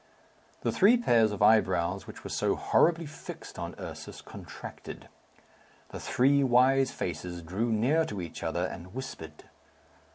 The three pairs of eyebrows which were so horribly fixed on Ursus contracted. The three wise faces drew near to each other, and whispered.